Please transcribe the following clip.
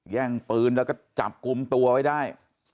แย่งปืนแล้วก็จับกลุ่มตัวไว้ได้